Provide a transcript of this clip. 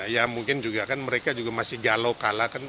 ya mungkin juga kan mereka juga masih galau kalah kan